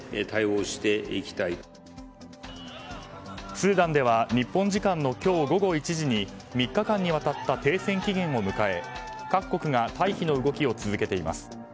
スーダンでは日本時間の今日午後１時に３日間にわたった停戦期限を迎え各国が退避の動きを続けています。